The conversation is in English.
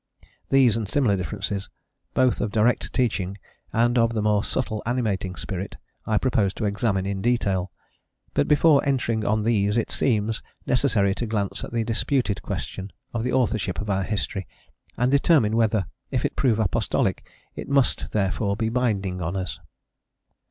"* These and similar differences, both of direct teaching and of the more subtle animating spirit, I propose to examine in detail; but before entering on these it seems necessary to glance at the disputed question of the authorship of our history, and determine whether, if it prove apostolic, it must therefore be binding on us.